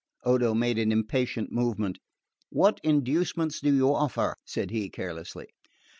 Odo made an impatient movement. "What inducements do you offer?" said he carelessly.